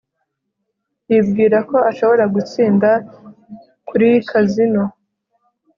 Yibwira ko ashobora gutsinda kuri kazino